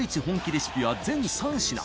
レシピは全３品。